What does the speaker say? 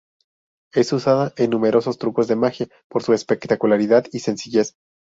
Es usada en numerosos trucos de magia por su espectacularidad y sencillez.